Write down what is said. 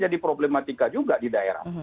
jadi problematika juga di daerah